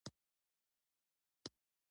احمد د علي تر مخ ډېر ميده اوړه کوي.